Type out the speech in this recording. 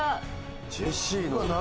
ジェシーの。